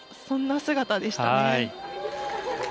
そんな姿でしたね。